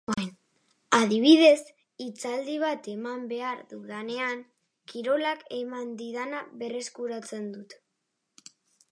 Adibidez, hitzaldi bat eman behar dudanean, kirolak eman didana berreskuratzen dut.